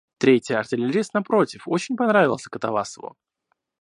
Третий, артиллерист, напротив, очень понравился Катавасову.